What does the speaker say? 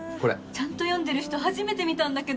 ちゃんと読んでる人初めて見たんだけど